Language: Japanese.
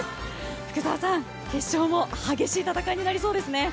福澤さん決勝も激しい戦いになりそうですね。